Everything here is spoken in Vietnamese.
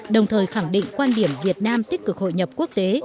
đồng thời khẳng định quan điểm việt nam tích cực hội nhập quốc tế